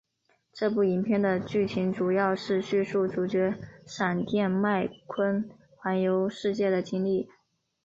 这部影片的剧情主要是叙述主角闪电麦坤环游世界的经历。